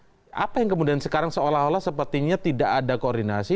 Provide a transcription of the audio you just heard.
tapi apa yang kemudian sekarang seolah olah sepertinya tidak ada koordinasi